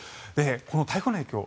この台風の影響